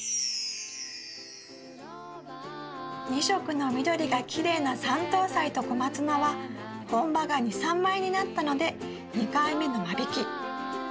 ２色の緑がきれいなサントウサイとコマツナは本葉が２３枚になったので２回目の間引き。